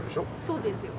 そうですよ。